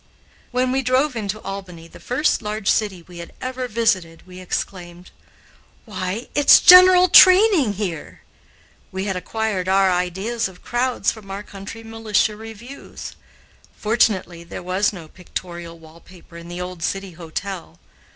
When we drove into Albany, the first large city we had ever visited, we exclaimed, "Why, it's general training, here!" We had acquired our ideas of crowds from our country militia reviews. Fortunately, there was no pictorial wall paper in the old City Hotel.